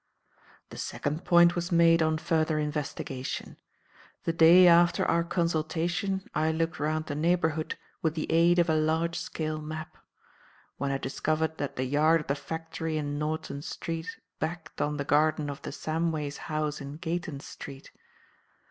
"The second point was made on further investigation. The day after our consultation I looked round the neighbourhood with the aid of a large scale map; when I discovered that the yard of the factory in Norton Street backed on the garden of the Samways' house in Gayton Street.